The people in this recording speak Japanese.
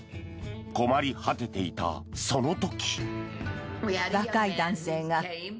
困り果てていたその時。